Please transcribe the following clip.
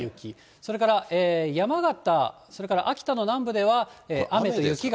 それから山形、それから秋田の南部では雨と雪が。